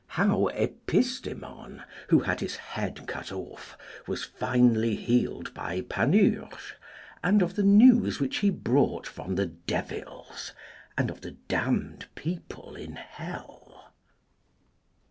How Epistemon, who had his head cut off, was finely healed by Panurge, and of the news which he brought from the devils, and of the damned people in hell.